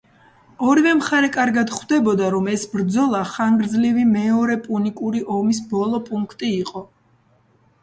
ორივე მხარე კარგად ხვდებოდა, რომ ეს ბრძოლა ხანგრძლივი მეორე პუნიკური ომის ბოლო პუნქტი იყო.